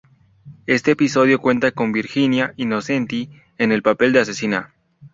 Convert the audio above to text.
Este episodio cuenta con Virginia Innocenti, en el papel de asesina.